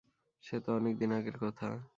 সে তো অনেক দিন আগের কথা।